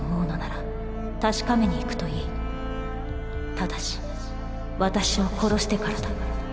ただし私を殺してからだ。